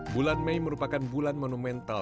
bulan mei merupakan bulan monumental